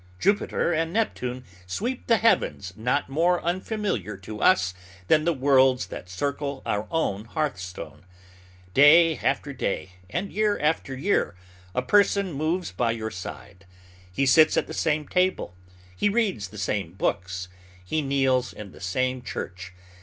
Jupiter and Neptune sweep the heavens not more unfamiliar to us than the worlds that circle our own hearthstone. Day after day, and year after year a person moves by your side; he sits at the same table; he reads the same books; he kneels in the same church.